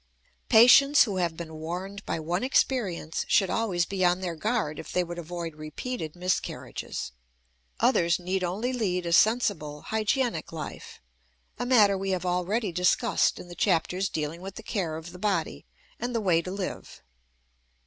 Patients who have been warned by one experience should always be on their guard if they would avoid repeated miscarriages; others need only lead a sensible, hygienic life, a matter we have already discussed in the chapters dealing with the care of the body and the way to live.